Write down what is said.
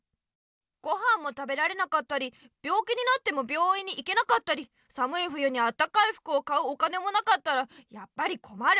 ごはんも食べられなかったりびょうきになってもびょういんに行けなかったりさむい冬にあったかいふくを買うお金もなかったらやっぱりこまる。